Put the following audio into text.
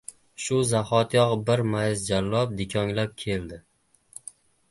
Shu zahotiyoq bir mayizjallob dikonglab keldi.